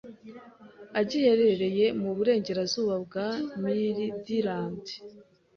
agiherereye mu burengerazuba bwa Midland